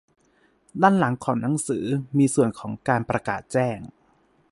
ด้านหลังของหนังสือมีส่วนของการประกาศแจ้ง